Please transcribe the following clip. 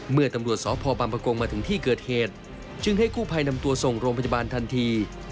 เมื่อตำรวจสพบังปะกงมาถึงที่เกิดเหตุจึงให้กู้ภัยนำตัวส่งโรงพยาบาลทันที